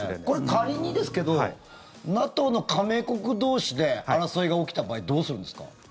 これ、仮にですけどＮＡＴＯの加盟国同士で争いが起きた場合どうするんですか？